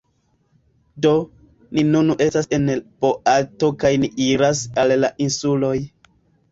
Do, ni nun estas en la boato kaj ni iras al la insuloj